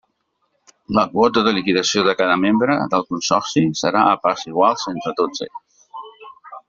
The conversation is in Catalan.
La quota de liquidació de cada membre del consorci serà a parts iguals entre tots ells.